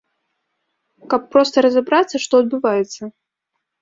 Каб проста разабрацца, што адбываецца.